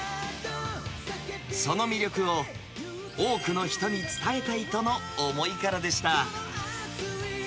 その魅力を、多くの人に伝えたいとの思いからでした。